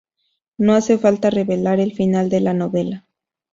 No hace falta revelar el final de la novela.